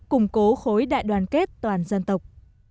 củng cố khối đại đoàn kết toàn dân tộc